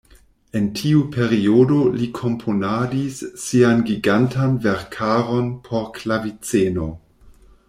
En tiu periodo li komponadis sian gigantan verkaron por klaviceno.